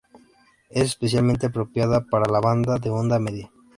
Es especialmente apropiada para la banda de onda media.